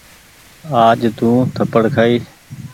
آج تونٚ ٿپڙ کآئي ۔